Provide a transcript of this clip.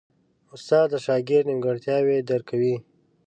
استاد د شاګرد نیمګړتیاوې درک کوي.